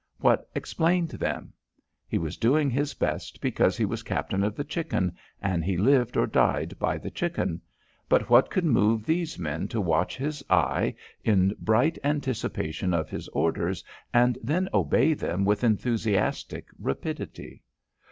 What explained them? He was doing his best because he was captain of the Chicken and he lived or died by the Chicken. But what could move these men to watch his eye in bright anticipation of his orders and then obey them with enthusiastic rapidity?